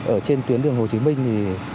ở trên tuyến đường hồ chí minh